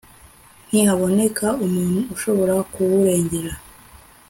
ntihaboneka umuntu ushobora kuwurengera